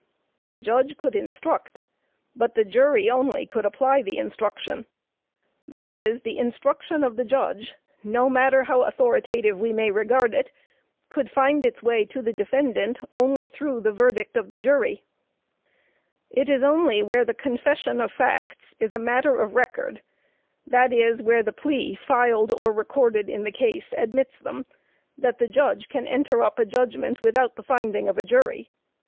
The judge could instruct, but the jury only could apply the instruction. That is, the instruction of the judge, no matter how authoritative we may regard it, could find its way to the defendant only through the verdict of the jury. It is only where the confession of facts is matter of record, (that is, where the plea filed or recorded in the case admits them), that the judge can enter up a judgment without the finding of a jury.